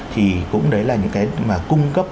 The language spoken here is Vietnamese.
thì cũng đấy là những cái mà cung cấp